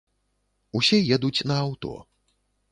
Усе едуць на аўто.